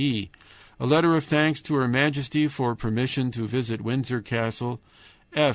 "e. A letter of thanks to her Majesty for permission to visit Windror Castle. "f.